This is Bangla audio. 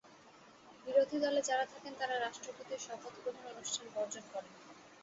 বিরোধী দলে যাঁরা থাকেন তাঁরা রাষ্ট্রপতির শপথ গ্রহণ অনুষ্ঠান বর্জন করেন।